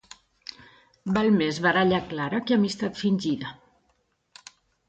Val més baralla clara que amistat fingida.